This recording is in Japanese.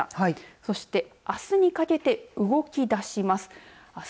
そして、あすにかけて動き出します。